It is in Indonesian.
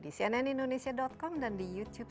di cnnindonesia com dan di youtube